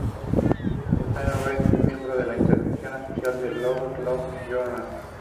Esta Revista es miembro de la International Association of Labour Law Journals.